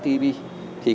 thì có thể là